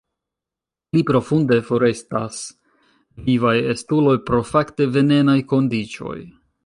Pli profunde forestas vivaj estuloj pro fakte venenaj kondiĉoj.